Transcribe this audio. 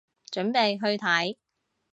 準備去睇